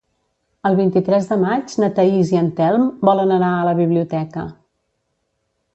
El vint-i-tres de maig na Thaís i en Telm volen anar a la biblioteca.